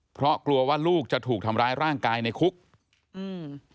เพราะกลัวว่าลูกจะถูกทำร้ายร่างกายในคุกอืม